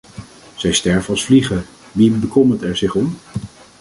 Zij sterven als vliegen, wie bekommert er zich om?